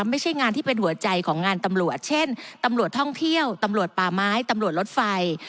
ไม่ใช่งานที่เป็นหัวใจของงานตำรวจเช่นตำรวจท่องเที่ยวตำรวจป่าไม้ตำรวจรถไฟ